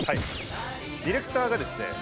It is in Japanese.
ディレクターがですね